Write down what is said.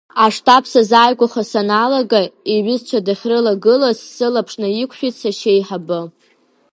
Аштаб сазааигәахо саналага, иҩызцәа дахьрылагылаз сылаԥш наиқәшәеит сашьеиҳабы.